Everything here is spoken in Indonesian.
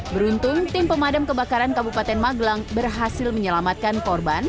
beruntung tim pemadam kebakaran kabupaten magelang berhasil menyelamatkan korban